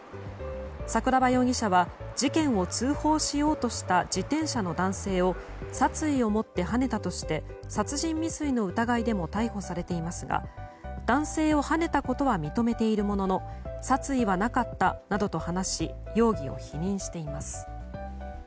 桜庭容疑者は事件を通報しようとした自転車の男性を殺意を持ってはねたとして殺人未遂の疑いでも逮捕されていますが男性をはねたことは認めているものの殺意はなかったなどと話し容疑を否認しています。